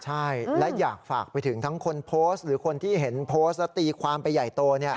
ใช่และอยากฝากไปถึงทั้งคนโพสต์หรือคนที่เห็นโพสต์และตีความไปใหญ่โต